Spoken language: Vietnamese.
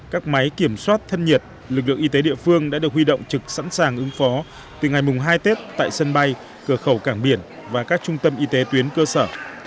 các máy kiểm soát thân nhiệt lực lượng y tế địa phương đã được huy động trực sẵn sàng ứng phó từ ngày mùng hai tết tại sân bay cửa khẩu cảng biển và các trung tâm y tế tuyến cơ sở